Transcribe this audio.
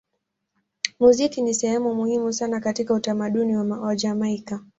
Muziki ni sehemu muhimu sana katika utamaduni wa Jamaika.